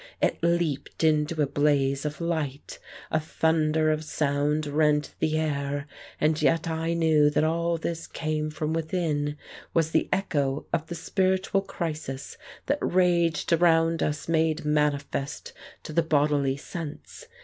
It leaped into a blaze of light, a thunder of sound rent the air, and yet I knew that all this came from within, was the echo of the spiritual crisis that raged round us made manifest to the bodily sense.